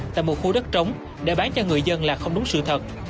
tại một khu đất trống để bán cho người dân là không đúng sự thật